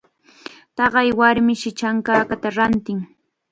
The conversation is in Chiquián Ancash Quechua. Taqay warmish chankakata rantin.